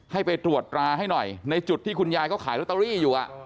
ให้ไปตรวจตราให้หน่อยในจุดที่คุณยายเขาขายลอตเตอรี่อยู่